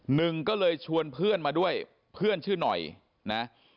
หนึ่งก็เลยชวนเพื่อนมาด้วยเพื่อนชื่อหน่อยนะ